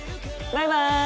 バイバイ。